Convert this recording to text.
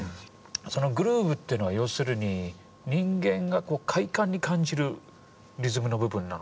そのグルーブっていうのは要するに人間が快感に感じるリズムの部分なのかな。